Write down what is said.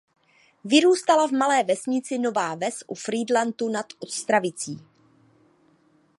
Vyrůstala v malé vesnici Nová Ves u Frýdlantu nad Ostravicí.